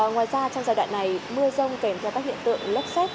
ngoài ra trong giai đoạn này mưa rông kèm theo các hiện tượng lốc xét